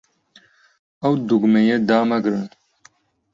ئەو دوگمەیە دامەگرن.